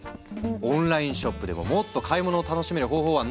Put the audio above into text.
オンラインショップでももっと買い物を楽しめる方法はないの？